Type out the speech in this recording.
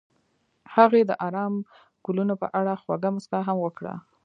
هغې د آرام ګلونه په اړه خوږه موسکا هم وکړه.